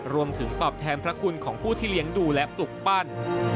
รวมถึงตอบแทนพระคุณของผู้ที่เลี้ยงดูและปลุกปั้น